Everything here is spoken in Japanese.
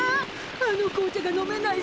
あの紅茶が飲めない